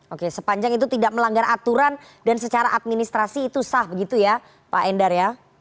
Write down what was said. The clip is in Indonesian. oke sepanjang itu tidak melanggar aturan dan secara administrasi itu sah begitu ya pak endar ya